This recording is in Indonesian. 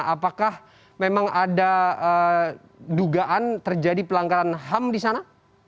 apakah memang ada dugaan terjadi pelanggaran ham di sana